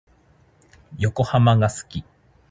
横浜が好き。